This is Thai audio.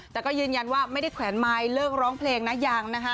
แต่ก็ยืนยันว่าไม่ได้แขวนไมค์เลิกร้องเพลงนะยังนะคะ